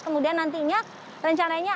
kemudian nantinya rencananya